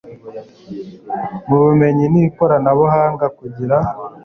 mu bumenyi n ikoranabuhanga kugira